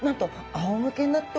あおむけになって？